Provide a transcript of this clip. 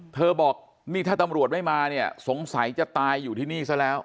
บอกนี่ถ้าตำรวจไม่มาเนี่ยสงสัยจะตายอยู่ที่นี่ซะแล้ว